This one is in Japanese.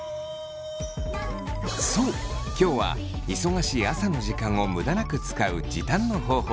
そう今日は忙しい朝の時間を無駄なく使う時短の方法